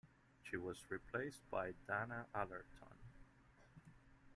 She was replaced by Dana Allerton.